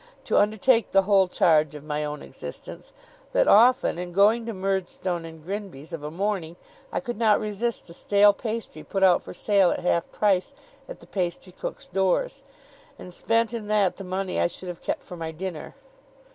to undertake the whole charge of my own existence, that often, in going to Murdstone and Grinby's, of a morning, I could not resist the stale pastry put out for sale at half price at the pastrycooks' doors, and spent in that the money I should have kept for my dinner.